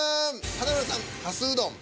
華丸さん「かすうどん」